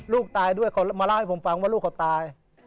ลูกตายด้วยเขามาเล่าให้ผมฟังว่าลูกเขาตาย